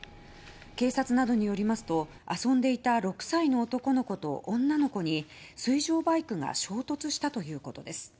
警察などによりますと遊んでいた６歳の男の子と女の子に水上バイクが衝突したということです。